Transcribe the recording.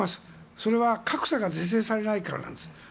それは格差が是正されないから。